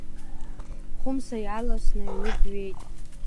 Хәымса иаарласны аҩны дҩеит.